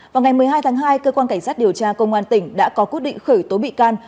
vào ngày một mươi hai tháng hai cơ quan cảnh sát điều tra công an tỉnh đã có quyết định khởi tố bị can